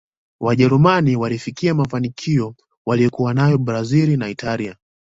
ujerumani walifikia mafanikio waliyokuwa nayo brazil na italia